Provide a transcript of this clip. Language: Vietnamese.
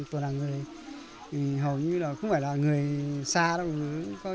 không phải là người xa đâu